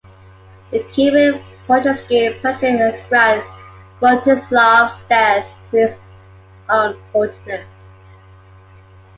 The Kievan-Pechersky Paterick ascribed Rostislav's death to his own haughtiness.